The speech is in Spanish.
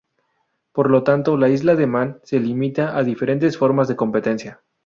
Por lo tanto, la Isla de Man se limita a diferentes formas de competencia.